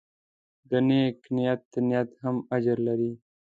د نیک نیت نیت هم اجر لري.